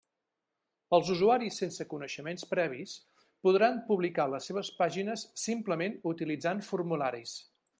Els usuaris sense coneixements previs podran publicar les seves pàgines simplement utilitzant formularis.